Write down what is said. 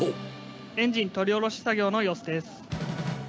エンジン取り降ろし作業の様